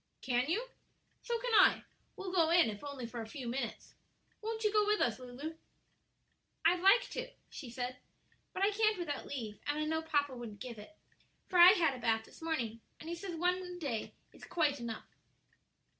"Can you? So can I; we'll go in if only for a few minutes. Won't you go with us, Lulu?" "I'd like to," she said, "but I can't without leave; and I know papa wouldn't give it, for I had a bath this morning, and he says one a day is quite enough."